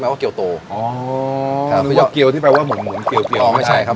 นึกว่าเกียวโตอ๋อนึกว่าเกียวที่แปลว่าหมุนหมุนเกียวเกียวไม่ได้อ๋อไม่ใช่ครับ